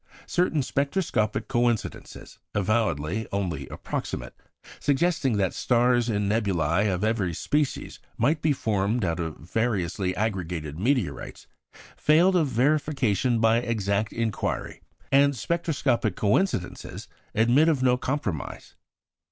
Certain spectroscopic coincidences, avowedly only approximate, suggesting that stars and nebulæ of every species might be formed out of variously aggregated meteorites, failed of verification by exact inquiry. And spectroscopic coincidences admit of no compromise.